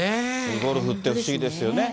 ゴルフって不思議ですよね。